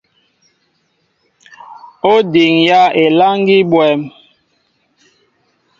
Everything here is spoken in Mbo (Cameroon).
Ó diŋyá elâŋgi bwɛ̂m ?